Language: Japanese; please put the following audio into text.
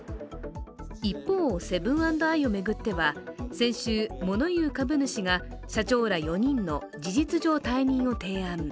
一方、セブン＆アイを巡っては先週、物言う株主が社長ら４人の事実上退任を提案。